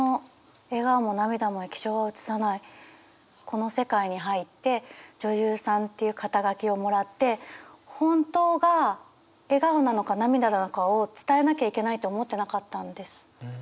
この世界に入って女優さんっていう肩書をもらって本当が笑顔なのか涙なのかを伝えなきゃいけないと思ってなかったんです。